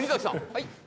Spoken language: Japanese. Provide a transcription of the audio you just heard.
はい。